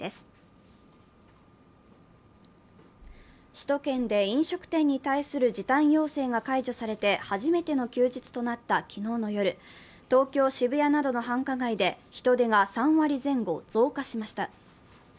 首都圏で飲食店に対する時短要請が解除されて初めての休日となった昨日の夜、東京・渋谷などの繁華街で人出が３割前後増加しました。